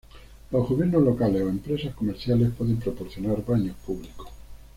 Los gobiernos locales o empresas comerciales pueden proporcionar baños públicos.